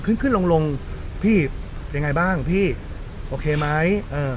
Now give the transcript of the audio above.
ขึ้นขึ้นลงลงพี่ยังไงบ้างพี่โอเคไหมเออ